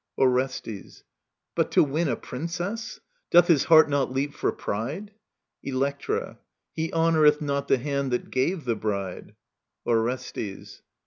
Orestes. But to win A princess I Doth his heart not leap for pride ? Electra. He honoureth not the hand that gave the bride. Orestes.